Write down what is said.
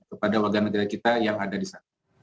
kepada warga negara kita yang ada di sana